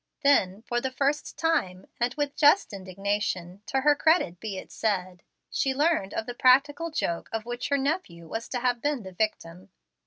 Then, for the first time, and with just indignation, to her credit be it said, she learned of the practical joke of which her nephew was to have been the victim.